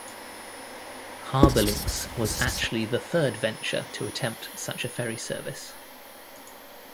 HarbourLynx was actually the third venture to attempt such a ferry service.